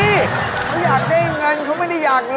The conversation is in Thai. นี่เขาอยากได้เงินเขาไม่ได้อยากเลย